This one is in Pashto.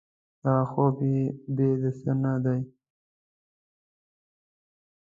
دغه خوب بې د څه نه دی.